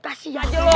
kasian aja lu